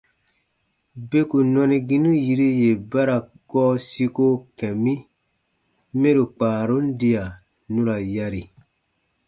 Beku nɔniginu yiru yè ba ra gɔɔ siko kɛ̃ mi mɛro kpaarun diya nu ra yari.